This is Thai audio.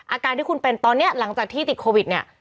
อาการที่คุณเป็นตอนนี้หลังจากที่ติดโควิดเนี่ย